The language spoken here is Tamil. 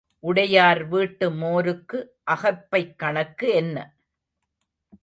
உடையார் வீட்டு மோருக்கு அகப்பைக் கணக்கு என்ன?